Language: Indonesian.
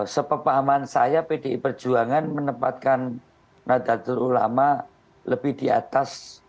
sepahaman saya pdi perjuangan menempatkan nadatul ulama lebih diatas